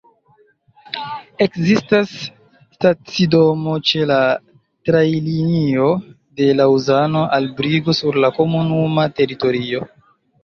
Ekzistas stacidomo ĉe la trajnlinio de Laŭzano al Brigo sur la komunuma teritorio.